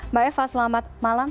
mbak eva selamat malam